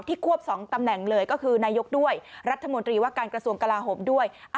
ควบ๒ตำแหน่งเลยก็คือนายกด้วยรัฐมนตรีว่าการกระทรวงกลาโหมด้วย